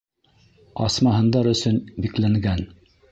Асмаһындар өсөн бикләнгән!